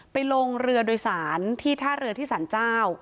ไปลงเรือโดยสารที่ท่าเรือที่สรรเจ้า